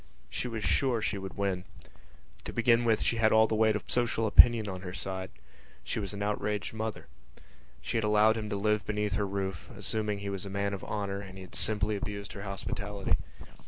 She was sure she would win. To begin with she had all the weight of social opinion on her side: she was an outraged mother. She had allowed him to live beneath her roof, assuming that he was a man of honour, and he had simply abused her hospitality.